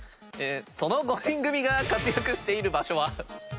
その５人組が活やくしている場所は？